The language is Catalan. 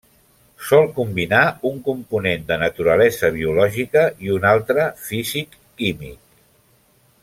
Sol combinar un component de naturalesa biològica i un altre físic-químic.